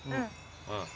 うん。